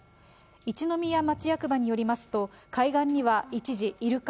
一宮町役場によりますと、海岸には一時、イルカ